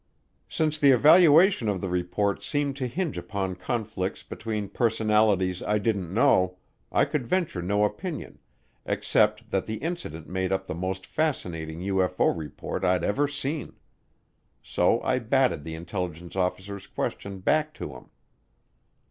Since the evaluation of the report seemed to hinge upon conflicts between personalities I didn't know, I could venture no opinion, except that the incident made up the most fascinating UFO report I'd ever seen. So I batted the intelligence officer's question back to him.